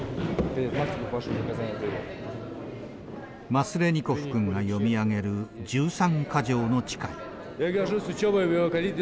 マスレニコフ君が読み上げる１３か条の誓い。